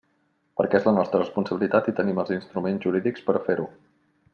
Perquè és la nostra responsabilitat i tenim els instruments jurídics per a fer-ho.